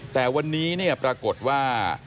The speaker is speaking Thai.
แต่วันนี้ปรากฏว่า